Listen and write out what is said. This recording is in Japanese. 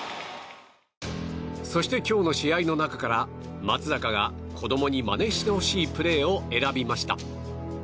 そして今日の試合の中から松坂が子供にまねしてほしいプレーを選びました。